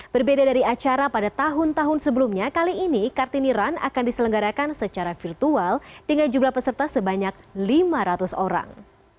berbeda dari acara pada tahun tahun sebelumnya kali ini kartini run akan diselenggarakan secara virtual dengan jumlah peserta sebanyak lima ratus orang